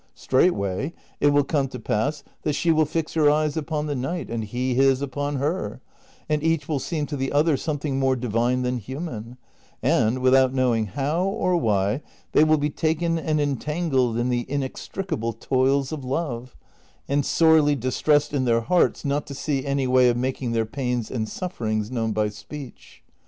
Straightway it will come to pass that she will fix her eyes ui)on the knight and he his upon her, and each will seem to the other something more divine than human, and, without knowing how or why, they Avill be taken and entangled in the inextricable toils of love, and sorely dis tressed in their hearts not to see any way of making their pains and sufferings known by speech.